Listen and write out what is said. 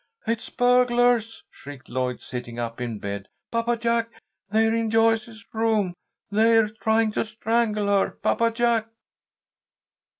"It's burglars," shrieked Lloyd, sitting up in bed. "Papa Jack! They're in Joyce's room! They're trying to strangle her! Papa Jack!"